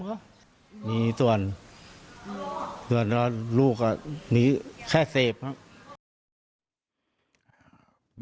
เถียวกับลูกก็หนะกับเทพที่ก็กลับทุกที่